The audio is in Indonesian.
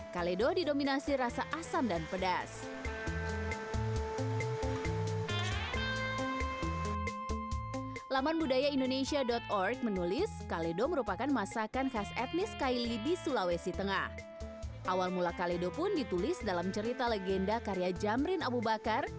kaledo pun ditulis dalam cerita legenda karya jamrin abu bakar